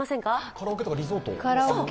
カラオケとかリゾート？